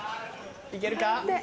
行けるか？